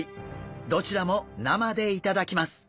どちらも生で頂きます。